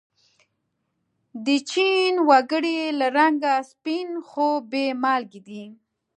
د چین و گړي له رنگه سپین خو بې مالگې دي.